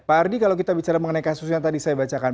pak ardi kalau kita bicara mengenai kasus yang tadi saya bacakan